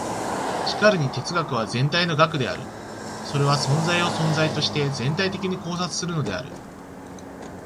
しかるに哲学は全体の学である。それは存在を存在として全体的に考察するのである。